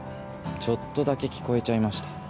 ちょっとだけ聞こえちゃいました。